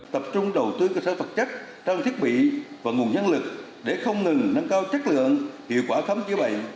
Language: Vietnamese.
tập trung đầu tư cơ sở vật chất trang thiết bị và nguồn nhân lực để không ngừng nâng cao chất lượng hiệu quả khám chữa bệnh